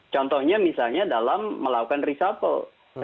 contohnya misalnya dalam melakukan reshuffle